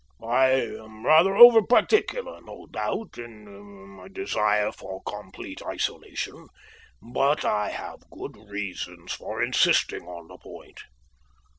I am rather over particular, no doubt, in my desire for complete isolation, but I have good reasons for insisting on the point.